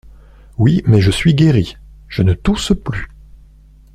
Oui, mais je suis guéri !… je ne tousse plus !…